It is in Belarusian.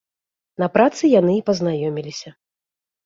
На працы яны і пазнаёміліся.